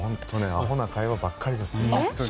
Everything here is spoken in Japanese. アホな会話ばっかりです。